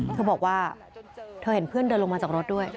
เธอบอกว่าเธอเห็นเพื่อนเดินลงมาจากรถด้วย